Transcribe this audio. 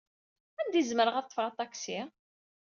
Anda ay zemreɣ ad ḍḍfeɣ aṭaksi?